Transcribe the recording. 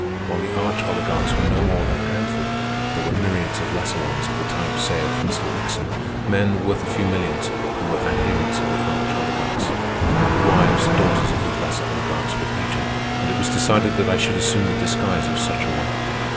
While the arch oligarchs were no more than a handful, there were myriads of lesser ones of the type, say, of Mr. Wickson—men, worth a few millions, who were adherents of the arch oligarchs. The wives and daughters of these lesser oligarchs were legion, and it was decided that I should assume the disguise of such a one.